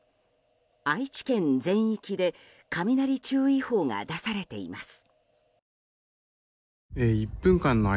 愛知県全域で雷注意報が出されています。